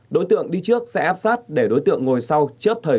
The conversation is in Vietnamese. đối tượng đi trước sẽ áp sát để đối tượng ngồi sau chớp thời